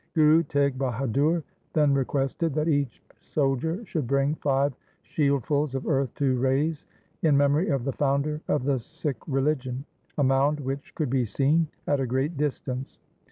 Guru Teg Bahadur then requested that each soldier should bring five shieldfuls of earth to raise, in memory of the founder of the Sikh religion, a mound which could be seen at a great distance.